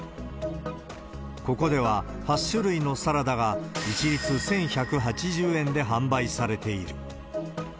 ここでは８種類のサラダが一律１１８０円で販売されている。